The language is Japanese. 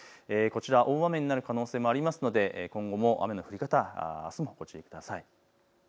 大雨になる可能性もありますので今後も雨の降り方、あすもご注意ください。